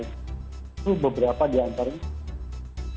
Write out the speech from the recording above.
itu beberapa diantaranya